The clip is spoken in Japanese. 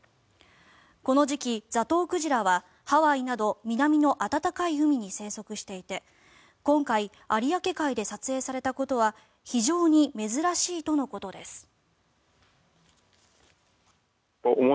この時期、ザトウクジラはハワイなど南の暖かい海に生息していて今回、有明海で撮影されたことは非常に珍しいとのことです。